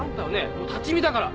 もう立ち見だから。